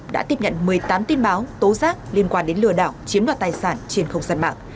đã tiếp nhận một mươi tám tin báo tố giác liên quan đến lừa đảo chiếm đoạt tài sản trên không gian mạng